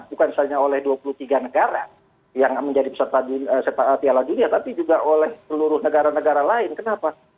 bukan saja oleh dua puluh tiga negara yang menjadi peserta piala dunia tapi juga oleh seluruh negara negara lain kenapa